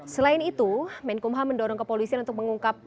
selain itu menkumham mendorong kepolisian untuk mengungkap